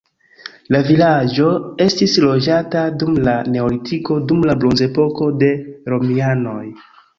La vilaĝo estis loĝata dum la neolitiko, dum la bronzepoko, de romianoj.